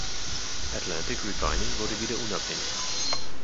Atlantic Refining wurde wieder unabhängig.